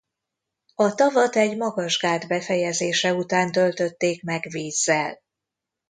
A tavat egy magas gát befejezése után töltötték meg vízzel.